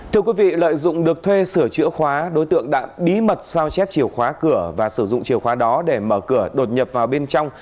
thưa quý vị lợi dụng được thuê sửa chữa khóa đối tượng đã bí mật sao chép chiều khóa cửa và sử dụng chiều khóa đó để mở cửa đột nhập vào bên trong